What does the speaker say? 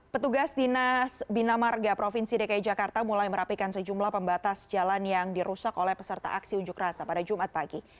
petugas dinas bina marga provinsi dki jakarta mulai merapikan sejumlah pembatas jalan yang dirusak oleh peserta aksi unjuk rasa pada jumat pagi